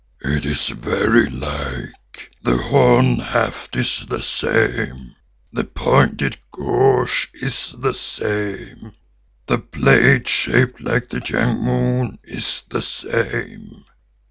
"It is like, very like. The horn haft is the same; the pointed gouge is the same; the blade shaped like the young moon is the same.